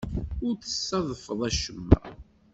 Ur d-tessadfeḍ acemma.